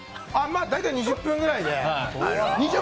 大体２０分ぐらいで。